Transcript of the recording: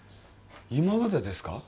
今までですか？